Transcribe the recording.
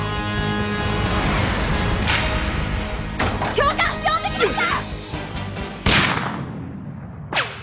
教官呼んできました！！